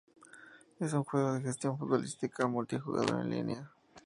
Es un juego de gestión futbolística multijugador en línea.